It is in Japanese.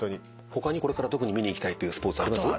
他にこれから特に見に行きたいっていうスポーツあります？